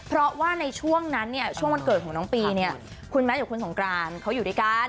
เพราะว่าในช่วงนั้นเนี่ยช่วงวันเกิดของน้องปีเนี่ยคุณแมทกับคุณสงกรานเขาอยู่ด้วยกัน